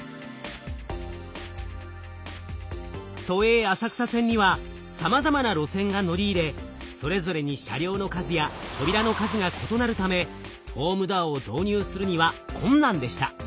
都営浅草線にはさまざまな路線が乗り入れそれぞれに車両の数や扉の数が異なるためホームドアを導入するには困難でした。